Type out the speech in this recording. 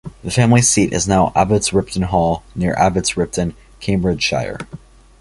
The family seat, is now Abbots Ripton Hall, near Abbots Ripton, Cambridgeshire.